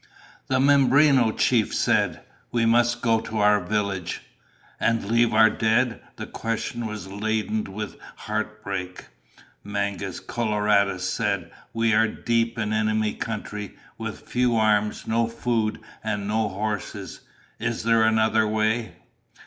The Mimbreno chief said, "We must go to our village." "And leave our dead?" The question was laden with heartbreak. Mangus Coloradus said, "We are deep in enemy country, with few arms, no food, and no horses. Is there another way?"